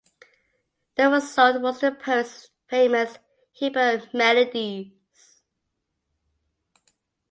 The result was the poet's famous "Hebrew Melodies".